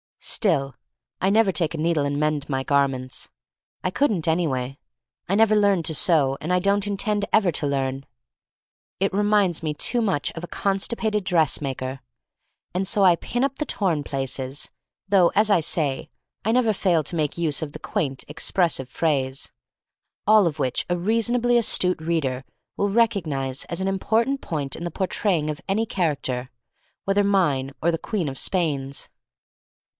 Still I never take a needle and mend my garments. I couldn't, anyway. I never learned to sew, and I don't intend ever to learn. It reminds THE STORY OF MARY MAC LANE 263 me too much of a constipated dress maker. And so I pin up the torn places —though, as I say, I never fail to make use of the quaint, expressive phrase. All of which a reasonably astute reader will recognize as an important point in the portraying of any charac ter — whether mine or the queen of Spain's.